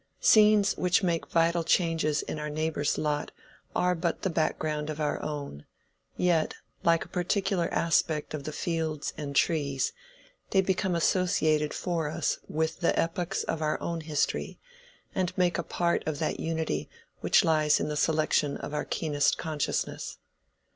Scenes which make vital changes in our neighbors' lot are but the background of our own, yet, like a particular aspect of the fields and trees, they become associated for us with the epochs of our own history, and make a part of that unity which lies in the selection of our keenest consciousness.